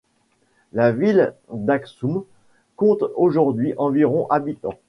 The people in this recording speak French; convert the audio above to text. La ville d'Aksoum compte aujourd'hui environ habitants.